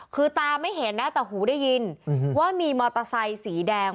คือตาไม่เห็นนะแต่หูได้ยินว่ามีมอเตอร์ไซค์สีแดง